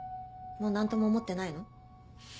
もう何とも思ってないの？